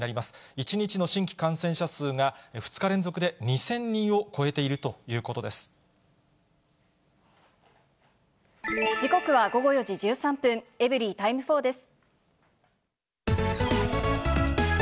１日の新規感染者数が、２日連続で２０００人を超えているという時刻は午後４時１３分、エブリィタイム４です。